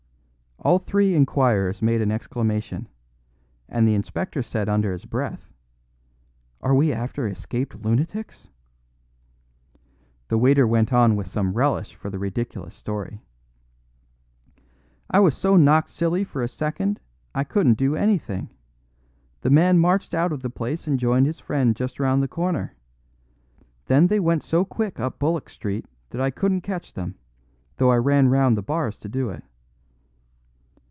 All three inquirers made an exclamation; and the inspector said under his breath, "Are we after escaped lunatics?" The waiter went on with some relish for the ridiculous story: "I was so knocked silly for a second, I couldn't do anything. The man marched out of the place and joined his friend just round the corner. Then they went so quick up Bullock Street that I couldn't catch them, though I ran round the bars to do it."